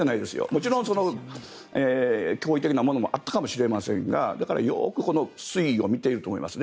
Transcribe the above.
もちろん脅威的なものもあったかもしれませんがだからよく推移を見ていると思います。